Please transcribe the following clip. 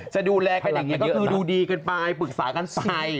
จะดูแลกันอย่างนี้ก็คือดูดีกันไปปรึกษากันไป